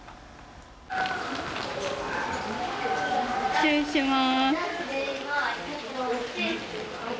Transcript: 失礼します。